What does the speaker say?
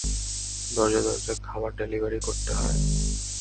দরজায় দরজায় খাবার ডেলিভারি করতে হয়।